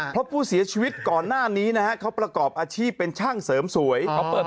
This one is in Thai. เพราะผู้เสียชีวิตก่อนหน้านี้นะฮะเขาประกอบอาชีพเป็นช่างเสริมสวย